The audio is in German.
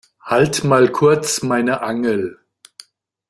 Halt mal kurz meine Angel.